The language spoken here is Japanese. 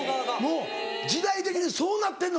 もう時代的にそうなってんの？